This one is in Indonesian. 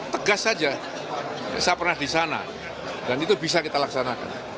tegas saja saya pernah di sana dan itu bisa kita laksanakan